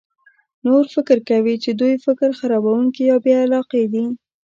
نور فکر کوي چې دوی فکر خرابونکي یا بې علاقه دي.